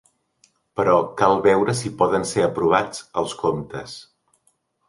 Però cal veure si poden ser aprovats, els comptes.